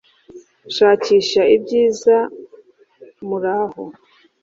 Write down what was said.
shakisha ibyiza muraho